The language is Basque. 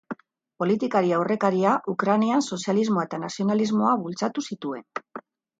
Politikari aurrekaria, Ukrainan sozialismoa eta nazionalismoa bultzatu zituen.